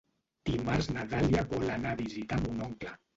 Dimarts na Dàlia vol anar a visitar mon oncle.